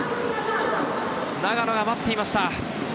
長野が待っていました。